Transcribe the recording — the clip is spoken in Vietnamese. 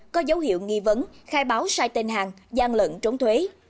có dấu hiệu nghi vấn khai báo sai tên hàng gian lận trốn thuế